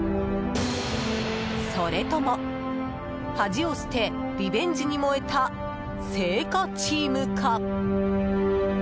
それとも、恥を捨てリベンジに燃えた青果チームか？